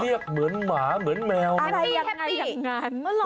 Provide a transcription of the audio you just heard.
เรียกเหมือนหมาเหมือนแมวอะไรยังไงอย่างนั้น